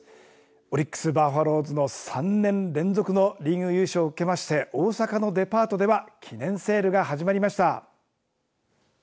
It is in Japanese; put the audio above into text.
オリックス・バファローズの３年連続のリーグ優勝を受けまして大阪のデパートでは記念セールが始まりました。